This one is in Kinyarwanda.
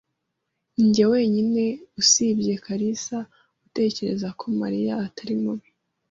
Ninjye wenyine usibye kalisa utekereza ko Mariya atari mubi.